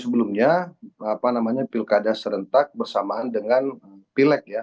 sebelumnya pilkada serentak bersamaan dengan pilek ya